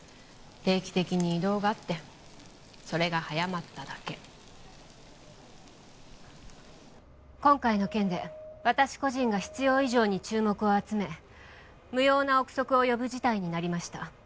定期的に異動があってそれが早まっただけ今回の件で私個人が必要以上に注目を集め無用な臆測を呼ぶ事態になりました